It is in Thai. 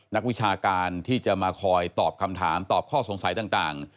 นักวิชาการที่จะมาคอยตอบคำถามตอบข้อสงสัยต่าง